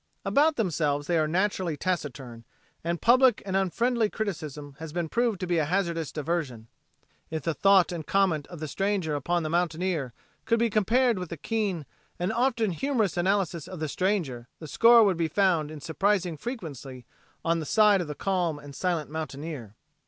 About themselves they are naturally taciturn, and public and unfriendly criticism has been proved to be a hazardous diversion. If the thought and comment of the stranger upon the mountaineer could be compared with the keen and often humorous analysis of the stranger the score would be found in surprizing frequency on the side of the calm and silent mountaineer.